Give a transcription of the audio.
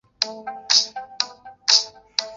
崔氏四兄弟都中进士。